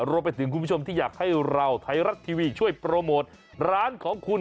รวมไปถึงคุณผู้ชมที่อยากให้เราไทยรัฐทีวีช่วยโปรโมทร้านของคุณ